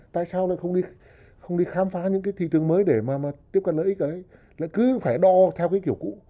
tại sao lại không đi khám phá những cái thị trường mới để mà tiếp cận lợi ích ấy lại cứ phải đo theo cái kiểu cũ